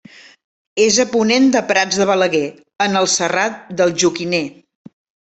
És a ponent de Prats de Balaguer, en el Serrat del Joquiner.